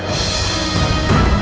gusti yang agung